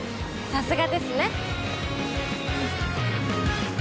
さすがですね！